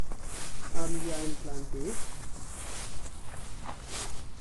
Haben wir einen Plan B?